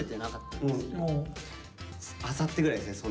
あさってぐらいですね。